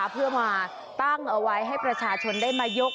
เพื่อมาตั้งเอาไว้ให้ประชาชนได้มายก